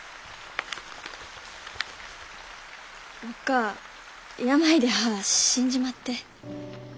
おっかあ病では死んじまって。